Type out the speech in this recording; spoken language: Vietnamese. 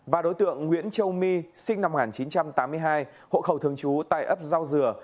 và đối tượng nguyễn châu my sinh năm một nghìn chín trăm tám mươi hai hộ khẩu thường trú tại ấp giao dừa